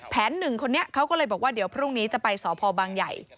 หนึ่งคนนี้เขาก็เลยบอกว่าเดี๋ยวพรุ่งนี้จะไปสพบางใหญ่